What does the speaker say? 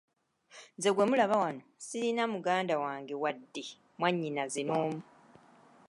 Nze gwe mulaba wano sirina muganda wange wadde mwannyinaze n’omu.